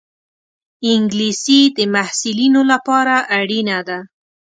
انګلیسي د محصلینو لپاره اړینه ده